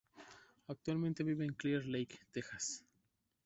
Actualmente vive en Clear Lake, Texas.